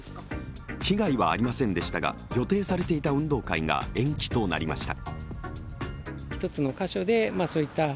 被害はありませんでしたが予定されていた運動会が延期となりました。